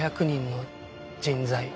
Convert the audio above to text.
５００人の人材